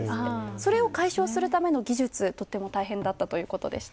それを解消するための技術が大変だったということでした。